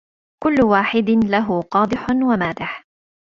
كل واحد له قادح ومادح